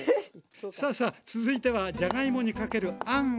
さあさあ続いてはじゃがいもにかけるあんをつくります。